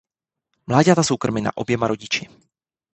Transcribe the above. Mláďata jsou krmena oběma rodiči.